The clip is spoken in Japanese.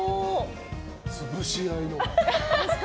潰し合いの。